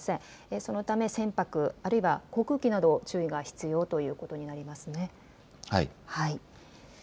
そのため船舶、あるいは航空機など注意が必要ということになりますね。